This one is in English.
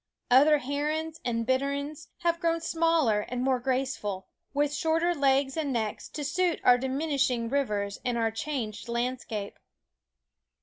Other herons and bitterns have grown smaller and more graceful, with shorter legs and necks, to suit our diminishing rivers and our changed landscape.